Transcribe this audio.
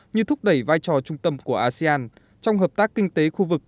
như thúc đẩy vai trò trung tâm của asean trong hợp tác kinh tế khu vực